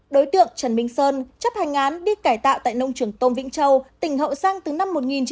đối tượng trần minh sơn chấp hành án đi cải tạo tại nông trường tôm vĩnh châu tỉnh hậu giang